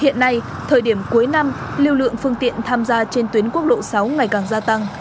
hiện nay thời điểm cuối năm lưu lượng phương tiện tham gia trên tuyến quốc lộ sáu ngày càng gia tăng